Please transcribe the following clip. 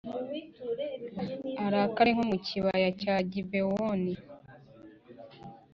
arakare nko mu kibaya cya Gibewoni,